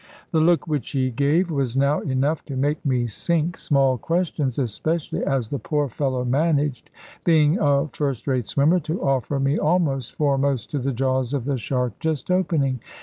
The look which he gave was now enough to make me sink small questions, especially as the poor fellow managed, being a first rate swimmer, to offer me almost foremost to the jaws of the shark just opening.